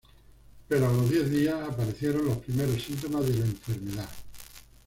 Pero a los diez días aparecieron los primeros síntomas de la enfermedad.